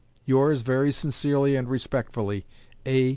Yours, very sincerely and respectfully, A.